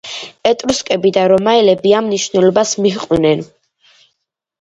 ეტრუსკები და რომაელები ამ მნიშვნელობას მიჰყვნენ.